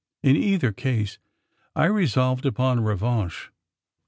In either case, I resolved upon a revanche.